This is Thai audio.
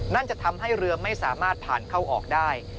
จะทำให้เรือไม่สามารถผ่านเข้าออกได้